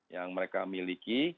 yang mereka miliki